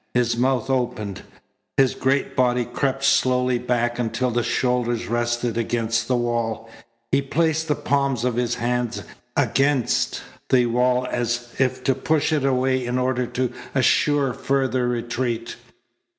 His mouth opened. His great body crept slowly back until the shoulders rested against the wall. He placed the palms of his hands against the wall as if to push it away in order to assure further retreat.